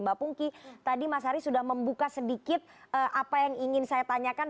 mbak pungki tadi mas ari sudah membuka sedikit apa yang ingin saya tanyakan